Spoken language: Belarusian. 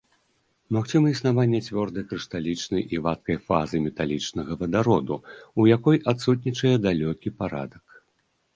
Магчыма існаванне цвёрдай крышталічнай і вадкай фазы металічнага вадароду, у якой адсутнічае далёкі парадак.